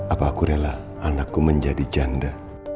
apa aku rela anakku menjadi janda